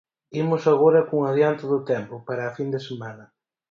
Imos agora cun adianto do tempo, para a fin de semana.